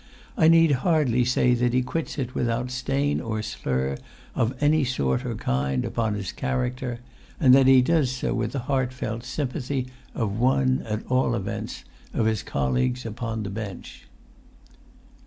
I need hardly say that he quits it without stain or slur, of any sort or kind, upon his character; and that he does so with the heartfelt sympathy of one, at all events, of his colleagues upon the bench."